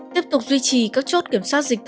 tiếp tục duy trì các chốt kiểm soát dịch cấp cao